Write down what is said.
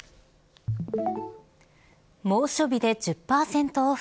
猛暑日で１０％オフ。